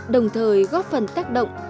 đồng thời góp phần tác động